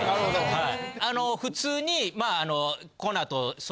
はい。